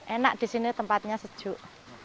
enak di sini tempatnya sejuk